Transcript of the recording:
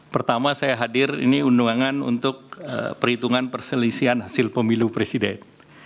pertama saya hadir ini undangan untuk perhitungan perselisihan hasil pemilu presiden